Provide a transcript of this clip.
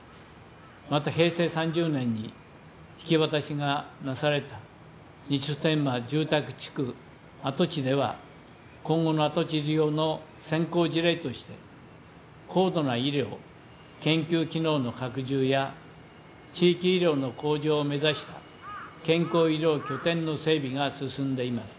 また、平成３０年に引き渡しがなされた西普天間住宅地区跡地では今後の跡地利用の先行事例として高度な医療、研究機能の拡充や地域医療の向上を目指し健康医療拠点の整備が進んでいます。